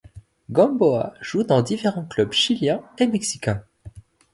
Gamboa joue dans différents clubs chiliens et mexicains.